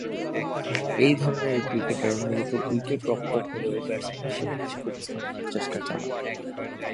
ঐ ধরনের ক্রিকেটার মূলতঃ উইকেট-রক্ষক হলেও ব্যাটসম্যান হিসেবে নিজেকে উপস্থাপনার চেষ্টা চালান।